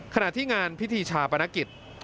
ขณะที่งานพิธีชาปนกิจ